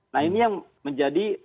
nah ini yang menjadi